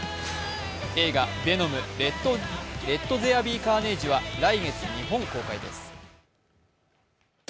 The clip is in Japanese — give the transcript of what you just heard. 映画「ヴェノム：レット・ゼア・ビー・カーネイジ」は来月、日本公開です。